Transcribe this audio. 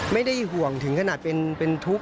ไม่ได้ห่วงถึงขนาดเป็นทุกข์